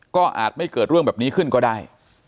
ก็อาจไม่เกิดเรื่องแบบนี้ขึ้นก็ได้